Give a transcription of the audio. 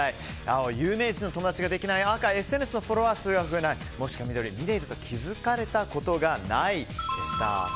青、有名人の友達ができない赤、ＳＮＳのフォロワー数が増えない緑、ｍｉｌｅｔだと気づかれたことがないでした。